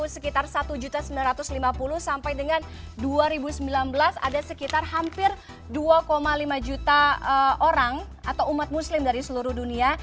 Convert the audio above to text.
sekitar satu sembilan ratus lima puluh sampai dengan dua ribu sembilan belas ada sekitar hampir dua lima juta orang atau umat muslim dari seluruh dunia